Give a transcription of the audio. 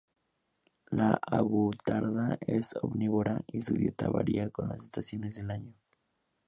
La avutarda es omnívora y su dieta varía con las estaciones del año.